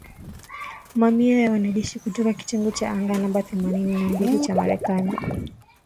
Mamia ya wanajeshi kutoka kitengo cha anga namba themanini na mbili cha Marekani.